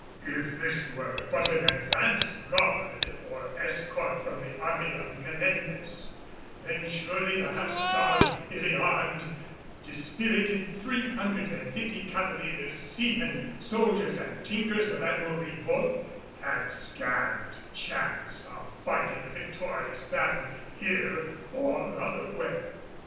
If this were but an advance guard, or escort from the army of Menendez, then surely the half starved, illy armed, dispirited three hundred and fifty cavaliers, seamen, soldiers and tinkers of Admiral Ribault had scant chance of fighting a victorious battle here or otherwhere.